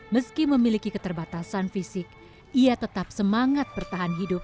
meski memiliki keterbatasan fisik ia tetap semangat bertahan hidup